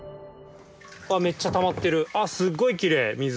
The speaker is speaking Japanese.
めっちゃたまってるすごいきれい水。